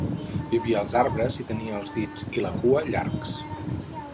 Vivia als arbres i tenia els dits i la cua llargs.